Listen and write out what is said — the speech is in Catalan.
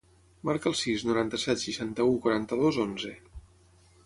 Marca el sis, noranta-set, seixanta-u, quaranta-dos, onze.